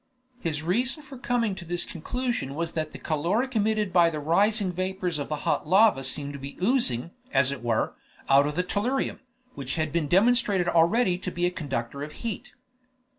His reason for coming to this conclusion was that the caloric emitted by the rising vapors of the hot lava seemed to be oozing, as it were, out of the tellurium, which had been demonstrated already to be a conductor of heat.